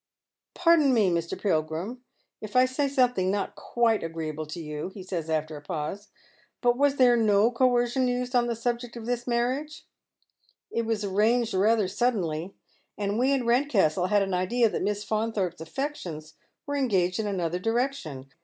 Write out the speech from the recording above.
"Pardon me, IMr. Pilgrim, if I eay something not quite agreeable to you," he says after a pause, " but was there no coercion used on the subject of this raamage? It was arranged rather suddenly, and we in Piedcastle had an idea that Miss Faunthorpe's affections were engaged in another direction.